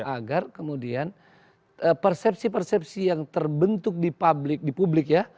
agar kemudian persepsi persepsi yang terbentuk di publik ya